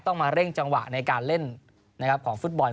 ต้องมาเร่งจังหวะในการเล่นนะครับของฟุตบอล